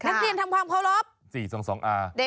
นักเรียนทำความขอบรับ